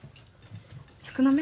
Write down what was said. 少なめ？